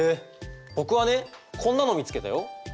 僕はねこんなの見つけたよ。